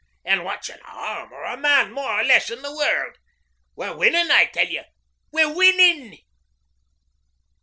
An' what's an arm or a man more or less in the world? We're winnin', I tell ye we're winnin'!'